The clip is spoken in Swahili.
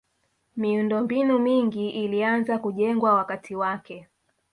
miundombinu mingi ilianza kujengwa wakati wake